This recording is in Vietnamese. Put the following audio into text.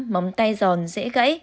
năm móng tay giòn dễ gãy